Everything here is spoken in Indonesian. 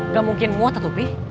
gak mungkin muat tukuyuk